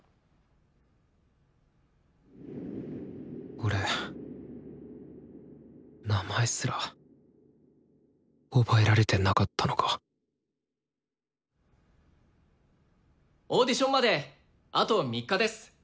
俺名前すら覚えられてなかったのかオーディションまであと３日です。